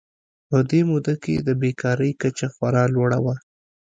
په دې موده کې د بېکارۍ کچه خورا لوړه وه.